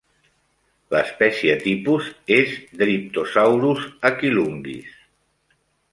L'espècie tipus es Dryptosaurus aquilunguis.